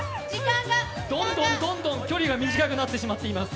どんどん距離が短くなってしまっています。